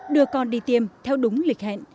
đưa con đi tiêm theo đúng lịch hẹn